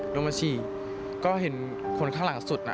ลงมาฉี่ก็เห็นคนข้างหลังสุดน่ะ